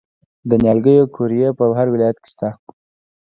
د نیالګیو قوریې په هر ولایت کې شته.